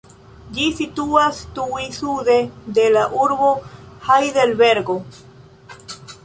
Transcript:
Ĝi situas tuj sude de la urbo Hajdelbergo.